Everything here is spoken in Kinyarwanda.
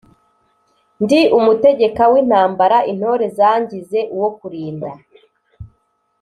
Ndi umutegeka w'intambara intore zangize uwo kulinda